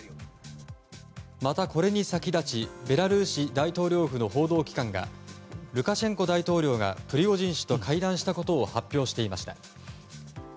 また、これに先立ちベラルーシ大統領府の報道機関がルカシェンコ大統領がプリゴジン氏と会談したことを発表していました。